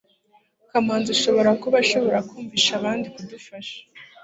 kamanzi ashobora kuba ashobora kumvisha abandi kudufasha